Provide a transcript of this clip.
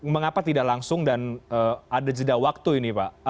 mengapa tidak langsung dan ada jeda waktu ini pak